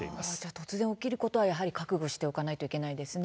突然、起きることは覚悟しておかなければいけないんですね。